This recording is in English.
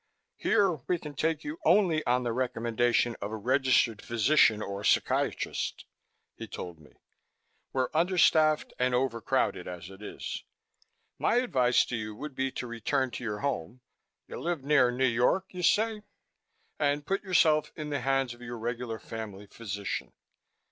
"Here we can take you only on the recommendation of a registered physician or psychiatrist," he told me. "We're understaffed and over crowded as it is. My advice to you would be to return to your home you live near New York, you say and put yourself in the hands of your regular family physician.